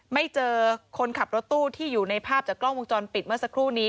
ไม่เจอคนขับรถตู้ที่อยู่ในภาพจากกล้องวงจรปิดเมื่อสักครู่นี้